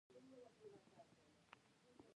په ساده تولید کې مالک پخپله کار کوي.